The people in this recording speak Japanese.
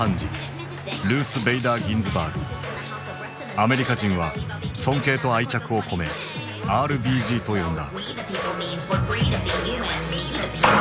アメリカ人は尊敬と愛着を込め「ＲＢＧ」と呼んだ。